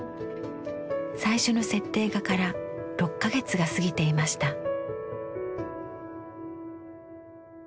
最初の設定画から６か月が過ぎていました。